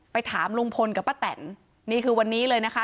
ถามลุงพลกับป้าแตนนี่คือวันนี้เลยนะคะ